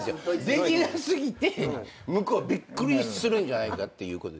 できな過ぎて向こうはびっくりするんじゃないかっていうことですよ。